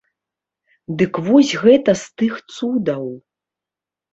Дык вось гэта з тых цудаў.